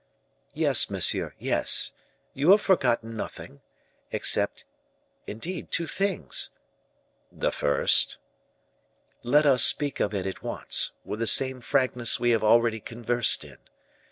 "Yes, monsieur, yes; you have forgotten nothing except, indeed, two things." "The first?" "Let us speak of it at once, with the same frankness we have already conversed in.